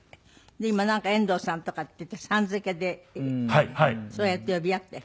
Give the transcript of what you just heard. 今なんか「遠藤さん」とかって言ってさん付けでそうやって呼び合って？